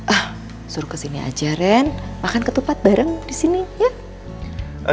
ah suruh kesini aja ren makan ketupat bareng di sini yuk